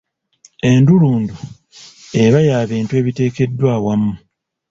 Endulundu eba ya bintu ebiteekeddwa awamu.